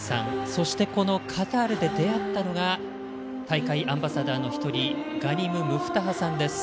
そして、このカタールで出会ったのが大会アンバサダーの１人ガニム・ムフタハさんです。